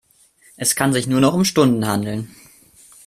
Es kann sich nur noch um Stunden handeln.